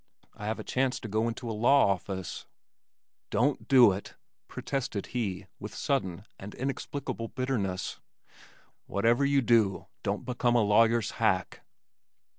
"I have a chance to go into a law office." "Don't do it," protested he with sudden and inexplicable bitterness. "Whatever you do, don't become a lawyer's hack."